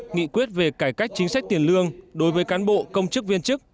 nghị quyết về cải cách chính sách tiền lương đối với cán bộ công chức viên chức